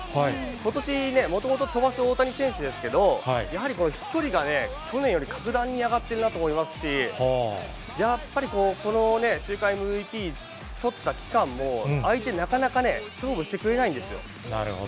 ことしね、もともと飛ばす大谷選手ですけど、やはりこの飛距離がね、去年より格段に上がっているなと思いますし、やっぱりこう、このね、週間ＭＶＰとった期間も、相手、なかなかね、勝負してくれないんなるほど。